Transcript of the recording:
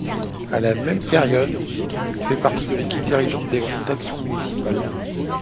À la même période, il fait partie de l'équipe dirigeante des Groupes d'action municipale.